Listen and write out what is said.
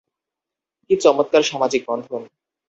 কী চমৎকার সামাজিক বন্ধন।